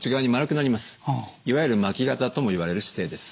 いわゆる巻き肩ともいわれる姿勢です。